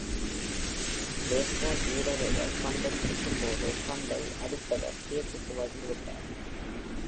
Baseball வீரர் ஒருவர் பந்தைப் பிடிக்கும்போது, பந்ததை அடித்தவர் பேஸூக்கு வந்துவிட்டார்.